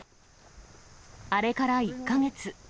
あれから１か月。